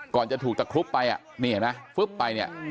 ก่อนจะถูกกระคุบไปอ่ะนี่เห็นมั้ยฟึ๊บไปเนี่ย